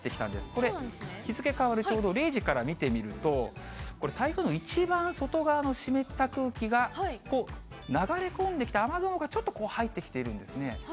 これ、日付変わるちょうど０時から見てみると、これ、台風の一番外側の湿った空気が流れ込んできて雨雲がちょっとこう、入ってきているんですね。